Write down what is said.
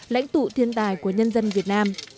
lãnh tụ thiên tài của nhân dân việt nam